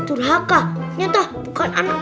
durhaka nyata bukan anak